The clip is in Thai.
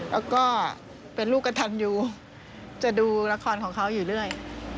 แล้วก็เป็นลูกกระทันอยู่จะดูละครของเขาอยู่เรื่อย